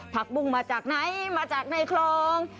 ปุ้งมาจากไหนมาจากในคลอง